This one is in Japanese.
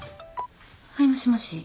はいもしもし。